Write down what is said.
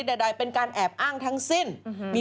สวัสดีค่าข้าวใส่ไข่